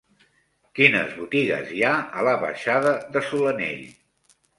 Quines botigues hi ha a la baixada de Solanell?